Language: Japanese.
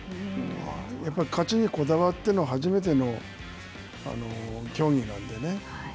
やっぱり勝ちにこだわっての初めての競技なんでね。